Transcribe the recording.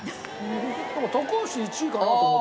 高橋１位かなと思った。